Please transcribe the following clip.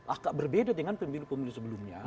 agak berbeda dengan pemilu pemilu sebelumnya